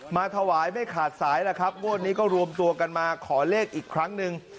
มาถวายไม่ขาดสายแล้วครับงวดนี้ก็รวมตัวกันมาขอเลขอีกครั้งหนึ่ง